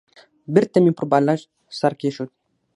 بېرته مې پر بالښت سر کېښود.